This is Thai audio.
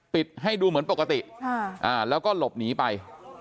ให้ดูเหมือนปกติแล้วก็หลบหนีไป